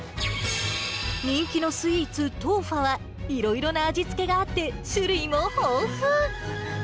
人気のスイーツ、トウファは、いろいろな味付けがあって、種類も豊富。